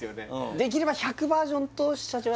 できれば１００バージョンと７８割